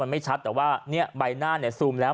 มันไม่ชัดแต่ว่าใบหน้าเนี่ยซูมแล้ว